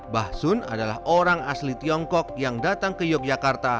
basun adalah orang asli tiongkok yang datang ke yogyakarta